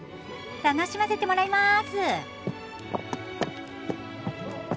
楽しませてもらいます。